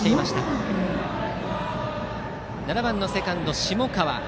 打席は７番のセカンド、下川。